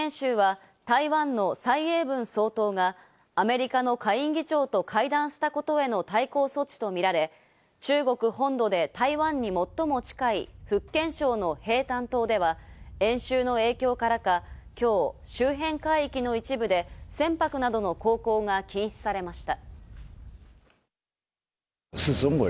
軍事演習は台湾のサイ・エイブン総統がアメリカの下院議長と会談したことへの対抗措置とみられ、中国本土で台湾に最も近い福建省の平潭島では演習の影響からか今日、周辺海域の一部で船舶などの航行が禁止されました。